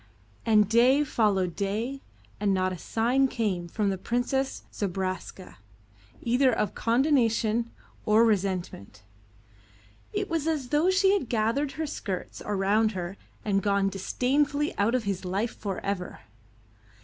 And day followed day and not a sign came from the Princess Zobraska either of condonation or resentment. It was as though she had gathered her skirts around her and gone disdainfully out of his life for ever.